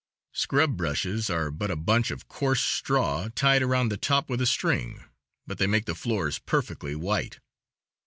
Scrub brushes are but a bunch of coarse straw tied around the top with a string, but they make the floors perfectly white.